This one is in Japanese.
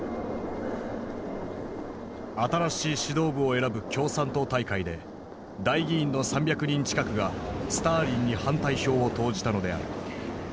新しい指導部を選ぶ共産党大会で代議員の３００人近くがスターリンに反対票を投じたのである。